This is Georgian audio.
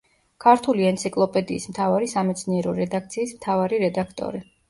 ქართული ენციკლოპედიის მთავარი სამეცნიერო რედაქციის მთავარი რედაქტორი.